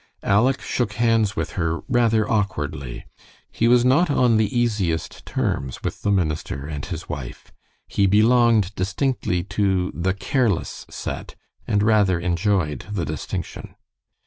Aleck shook hands with her rather awkwardly. He was not on the easiest terms with the minister and his wife. He belonged distinctly to the careless set, and rather enjoyed the distinction.